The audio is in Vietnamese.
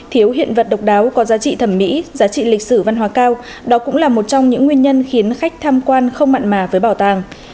thiếu hiện vật độc đáo có giá trị thẩm mỹ giá trị lịch sử văn hóa cao đó cũng là một trong những nguyên nhân khiến khách tham quan không mặn mà với bảo tàng